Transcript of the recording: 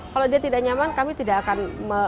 kalau dia tidak nyaman kami tidak akan